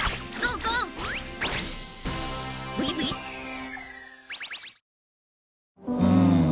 うん。